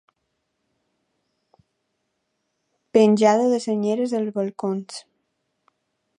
Penjada de senyeres als balcons.